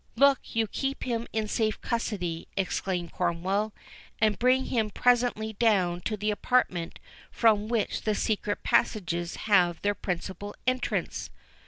"Look you keep him in safe custody," exclaimed Cromwell, "and bring him presently down to the apartment from which the secret passages have their principal entrance."